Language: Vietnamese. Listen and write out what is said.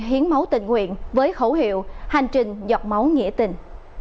hiến máu tình nguyện với khẩu hiệu hành trình dọc máu nghĩa tình